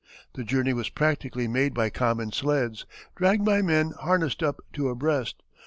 The journey was practically made by common sleds, dragged by men harnessed up two abreast.